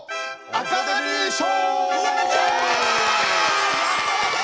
アカデミー賞！